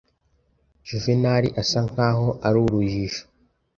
Juvenali asa nkaho ari urujijo.